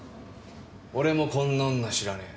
俺もこんな女知らねえ。